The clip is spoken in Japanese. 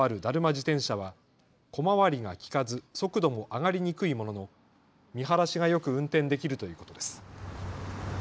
自転車は小回りが利かず速度も上がりにくいものの見晴らしがよく運転できるということです。